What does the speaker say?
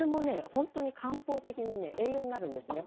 ほんとに漢方的にね栄養になるんですね。